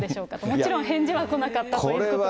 もちろん返事は来なかったということなんですが。